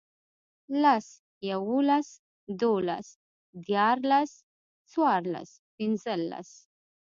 لس، يوولس، دوولس، ديارلس، څوارلس، پينځلس